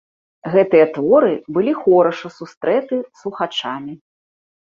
Гэтыя творы былі хораша сустрэты слухачамі.